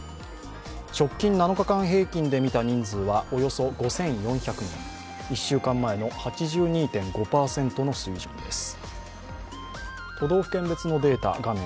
直近７日間平均で見た人数はおよそ５４００人、１週間前の８２．５％の水準です。